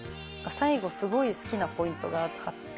最後すごい好きなポイントがあって。